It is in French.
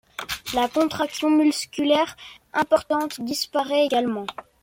La contraction musculaire importante disparait également.